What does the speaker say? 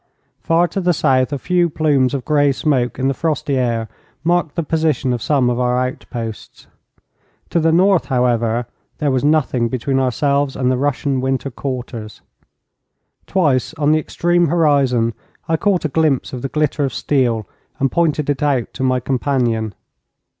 Far to the south a few plumes of grey smoke in the frosty air marked the position of some of our outposts. To the north, however, there was nothing between ourselves and the Russian winter quarters. Twice on the extreme horizon I caught a glimpse of the glitter of steel, and pointed it out to my companion.